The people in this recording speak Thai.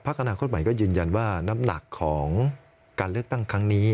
อนาคตใหม่ก็ยืนยันว่าน้ำหนักของการเลือกตั้งครั้งนี้